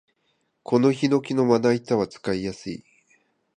このヒノキのまな板は使いやすい